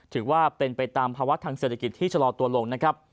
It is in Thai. ถือว่าเป็นไปตามภาวะทางเศรษฐกิจที่ชะลอตัวลงนะครับ